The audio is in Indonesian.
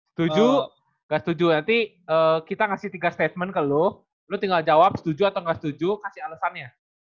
setuju nggak setuju nanti kita kasih tiga statement ke lu lo tinggal jawab setuju atau nggak setuju kasih alasannya